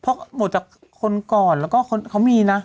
เพราะหมดจากคนก่อนแล้วก็เขามีนะ